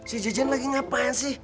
nah si jejen lagi ngapain sih